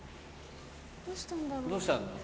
どうしたんだろう？